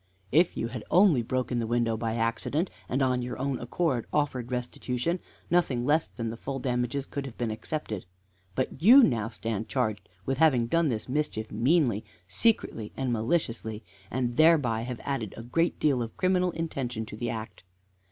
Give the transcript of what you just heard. If you had only broken the window by accident, and on your own accord offered restitution, nothing less than the full damages could have been accepted; but you now stand charged with having done this mischief meanly, secretly, and maliciously, and thereby have added a great deal of criminal intention to the act.